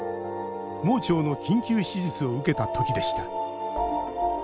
盲腸の緊急手術を受けたときでした。